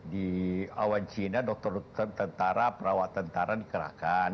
di awan cina dokter tentara perawat tentara dikerahkan